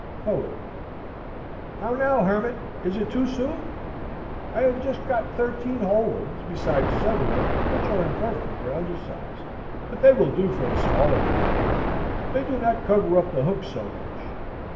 Poet. How now, Hermit, is it too soon? I have got just thirteen whole ones, beside several which are imperfect or undersized; but they will do for the smaller fry; they do not cover up the hook so much.